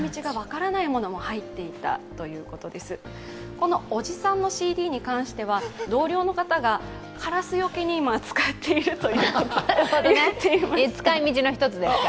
このおじさんのＣＤに関しては同僚の方がカラスよけに今、使っていると言っていました。